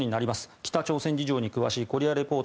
北朝鮮事情に詳しい「コリア・レポート」